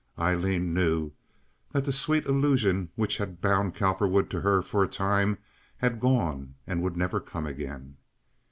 Aileen knew that the sweet illusion which had bound Cowperwood to her for a time had gone and would never come again.